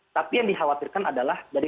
tapi yang dikhawatirkan adalah dari